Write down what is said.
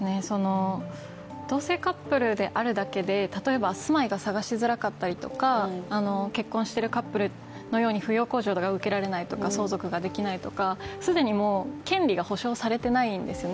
同性カップルであるだけで、例えば住まいが探しづらかったりとか結婚してるカップルのように扶養控除が受けられないとか相続ができないとか既に権利が保障されていないんですよね。